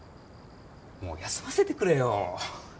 もう休ませてくれよ